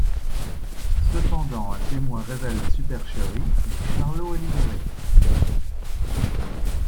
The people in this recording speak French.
Cependant, un témoin révèle la supercherie et Charlot est libéré.